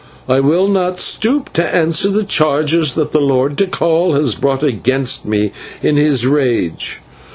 I will not stoop to answer the charge that the Lord Tikal has brought against me in his rage.